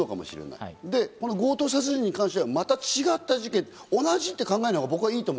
で、強盗殺人に関してはまた違った事件、同じと考えない方が僕はいいと思う。